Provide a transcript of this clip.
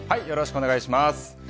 よろしくお願いします。